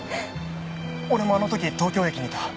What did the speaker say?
俺もあの時東京駅にいた。